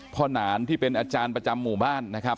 หนานที่เป็นอาจารย์ประจำหมู่บ้านนะครับ